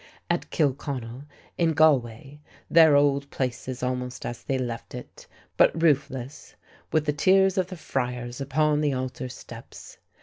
At Kilconnell, in Galway, their old place is almost as they left it, but roofless, with the tears of the friars upon the altar steps.